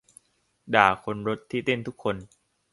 ด่าคนรถที่เต้นทุกคน